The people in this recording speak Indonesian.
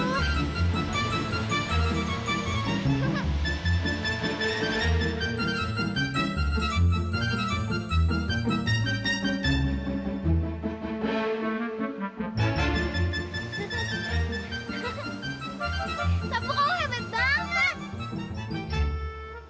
sapu kamu hebat banget